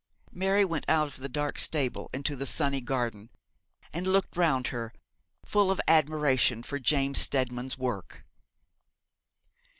Mary went out of the dark stable into the sunny garden, and looked round her, full of admiration for James Steadman's work.